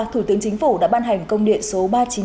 thủ tướng chính phủ đã ban hành công điện số ba trăm chín mươi chín